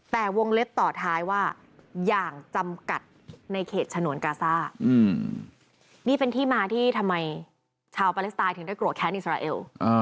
ที่มาที่ทำไมชาวพรสไตล์ถึงกลัวแค้นอิสราเอล